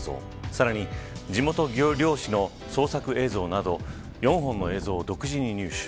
さらに、地元漁師の捜索映像など４本の映像を独自に入手。